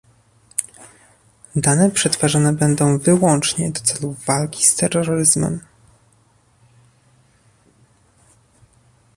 Dane przetwarzane będą wyłącznie do celów walki z terroryzmem